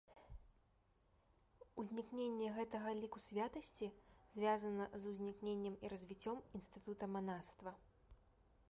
Узнікненне гэтага ліку святасці звязана з узнікненнем і развіццём інстытута манаства.